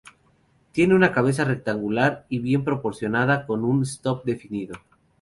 Tiene una cabeza rectangular y bien proporcionada con un stop definido.